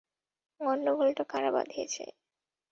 গন্ডগোলটা কারা বাঁধিয়েছে?